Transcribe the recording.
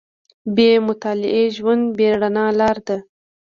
• بې مطالعې ژوند، بې رڼا لاره ده.